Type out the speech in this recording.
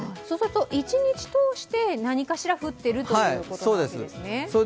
そうすると一日通して何かしら降っているというわけですね。